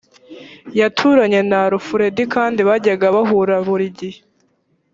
yaturanye na alfred kandi bajyaga bahura buri gihe